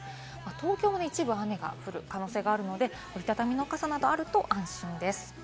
東京も一部、雨が降る可能性があるので折り畳みの傘などあると安心です。